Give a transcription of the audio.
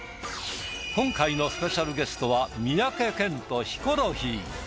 今回のスペシャルゲストは三宅健とヒコロヒー。